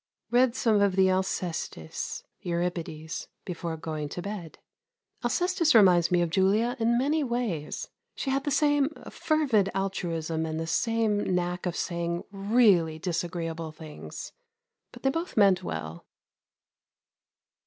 Read some of the "Alcestis" (Euripides) before going to bed. Alcestis reminds me of Julia in many ways. She had the same fervid altruism and the same knack of saying really disagreeable things. But they both meant well....